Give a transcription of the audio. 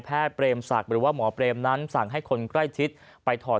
แพทย์เตรียมสรรคหรือว่าหมอเตรียมนั้นสั่งให้คนใกล้ชิดไปถอด